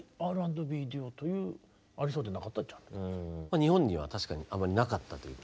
日本には確かにあまりなかったというか。